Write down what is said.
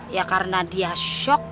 ya karena dia shock